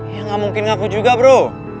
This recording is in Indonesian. ya nggak mungkin ngaku juga bro